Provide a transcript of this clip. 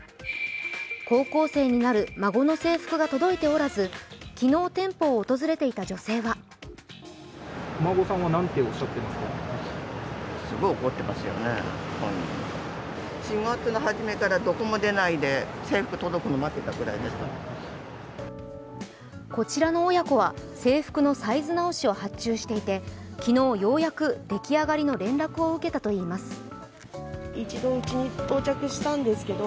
高校生になる孫の制服が届いておらず昨日、店舗を訪れていた女性はこちらの親子は制服のサイズ直しを発注していて昨日ようやく出来上がりの連絡を受けたといいます。